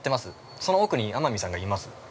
その奥に天海さんがいます